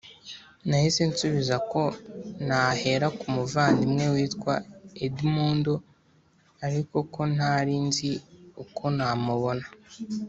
Nahise nsubiza ko nahera ku muvandimwe witwa Edmundo ariko ko ntari nzi uko namubona